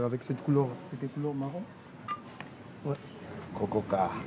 ここか。